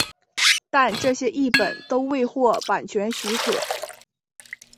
但这些译本都未获版权许可。